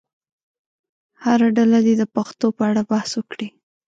هره ډله دې د پوښتنو په اړه بحث وکړي.